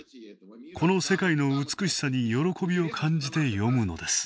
この世界の美しさに喜びを感じて詠むのです。